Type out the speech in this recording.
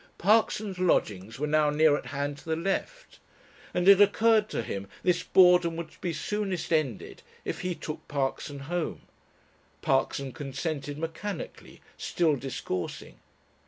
Parkson's lodgings were now near at hand to the left, and it occurred to him this boredom would be soonest ended if he took Parkson home, Parkson consented mechanically, still discoursing.